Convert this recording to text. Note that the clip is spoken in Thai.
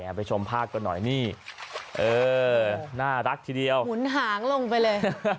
ไปชมภาพกันหน่อยนี่เออน่ารักทีเดียวหมุนหางลงไปเลย